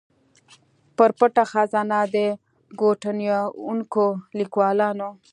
پر پټه خزانه د ګوتنیونکو ليکوالانو